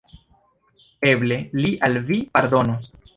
Eble li al vi pardonos.